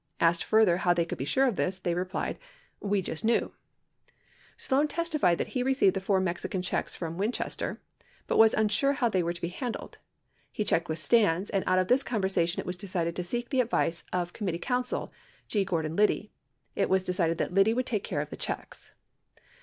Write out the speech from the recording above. Asked further how they could be sure of this, they replied, "We just kneAv." 64 Sloan testified that he received the four Mexican checks from Win chester, 65 but was unsure how they were to be handled. He checked with Stans, and out of this conversation, it was decided to seek the advice of committee counsel G. Gordon Liddy. It was decided that Liddy would take care of the checks.